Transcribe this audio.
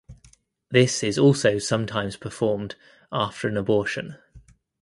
This is also sometimes performed after an abortion.